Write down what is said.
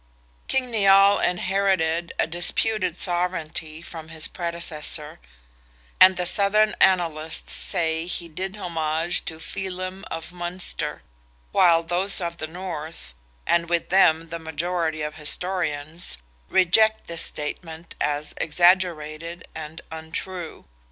King Nial inherited a disputed sovereignty from his predecessor, and the Southern annalists say he did homage to Felim of Munster, while those of the North—and with them the majority of historians—reject this statement as exaggerated and untrue.